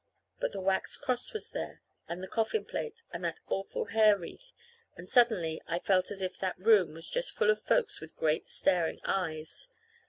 But the wax cross was there, and the coffin plate, and that awful hair wreath; and suddenly I felt as if that room was just full of folks with great staring eyes.